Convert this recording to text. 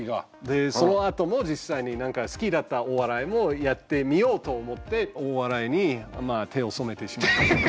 でそのあとも実際になんか好きだったお笑いもやってみようと思ってお笑いにまあ手を染めて。